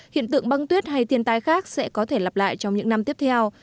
hiện tượng băng tuyết hay thiên tai khác sẽ có thể lặp lại trong những năm tiếp theo